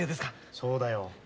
そうだよ。